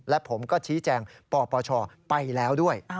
และผมก็ชี้แจงปปชไปแล้วด้วย